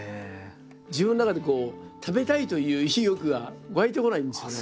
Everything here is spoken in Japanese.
自分の中で食べたいという意欲が湧いてこないんですよね。